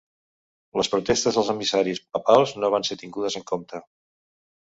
Les protestes dels emissaris papals no van ser tingudes en compte.